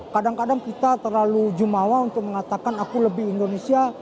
kadang kadang kita terlalu jumawa untuk mengatakan aku lebih indonesia